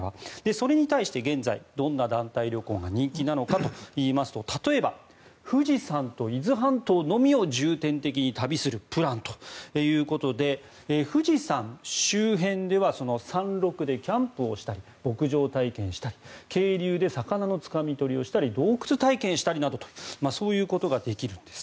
それに対して現在、どんな団体旅行が人気なのかといいますと例えば富士山と伊豆半島のみを重点的に旅するプランということで富士山周辺では山ろくでキャンプをしたり牧場体験したり渓流で魚のつかみ取りをしたり洞窟体験したりなどとそういうことができるんです。